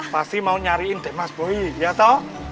pasti mau nyariin den mas boy ya tau